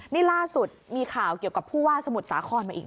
นี่ล่าสุดมีข่าวเกี่ยวกับผู้ว่าสมุทรสาครมาอีก